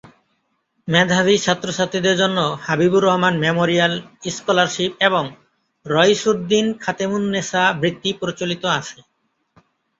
মেধাবী ছাত্রছাত্রীদের জন্য হাবিবুর রহমান মেমোরিয়াল স্কলারশিপ এবং রইসউদ্দিন খাতেমুন্নেছা বৃত্তি প্রচলিত আছে।